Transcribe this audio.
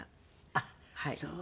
ああそう！